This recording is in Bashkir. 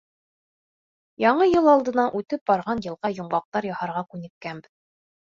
Яңы йыл алдынан үтеп барған йылға йомғаҡтар яһарға күнеккәнбеҙ.